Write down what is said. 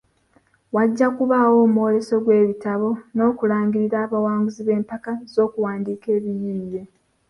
Wajja kubaawo omwoleso gw’ebitabo n’okulangirira abawanguzi b’empaka z’okuwandiika ebiyiiye.